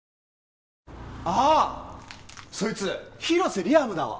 あぁそいつ広瀬リアムだわ。